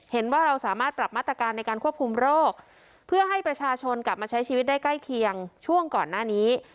เห็นว่าเราสามารถปรับมาตรการในการควบคุมโรคเพื่อให้ประชาชนกลับมาใช้ชีวิตได้ใกล้เคียงช่วงก่อนหน้านี้